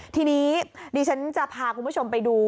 ทีนี้ดิฉันจะพาคุณผู้ชมไปดู